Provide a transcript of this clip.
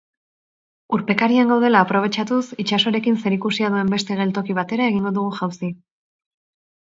Urpekarian gaudela aprobetxatuz, itsasoarekin zerikusia duen beste geltoki batera egingo dugu jauzi.